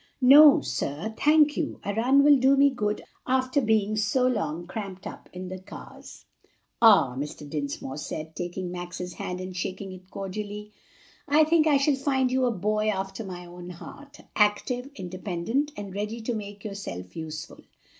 "No, sir, thank you; a run will do me good after being so long cramped up in the cars." "Ah," Mr. Dinsmore said, taking Max's hand and shaking it cordially, "I think I shall find you a boy after my own heart active, independent, and ready to make yourself useful.